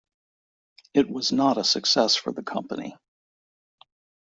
It was not a success for the company.